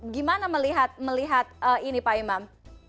gimana melihat ini pak imam